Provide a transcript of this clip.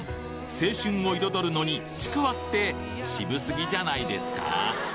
青春を彩るのにちくわって渋すぎじゃないですか？